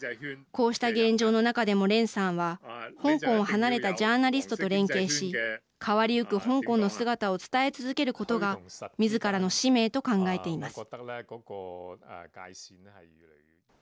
こうした現状の中でも練さんは香港を離れたジャーナリストと連携し変わりゆく香港の姿を伝え続けることがみずからの使命と考えています。